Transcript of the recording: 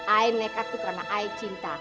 aku nekat itu karena aku cinta